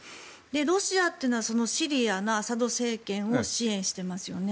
ロシアというのはシリアがアサド政権を支援していますよね。